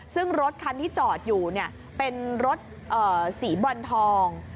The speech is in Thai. ซึ่งรถคันที่จอดอยู่เป็นรถสีบรอนทอง